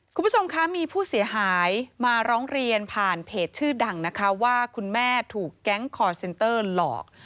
คุณผู้ชมคะมีผู้เสียหายมาร้องเรียนผ่านเพจชื่อดังนะคะว่าคุณแม่ถูกแก๊งคอร์เซ็นเตอร์หลอก